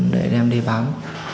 để đem đi bán